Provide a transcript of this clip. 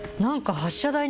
発射台に、